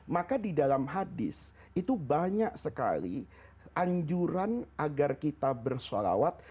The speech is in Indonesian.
maka di dalam hadis itu banyak sekali anjuran agar kita bersholawat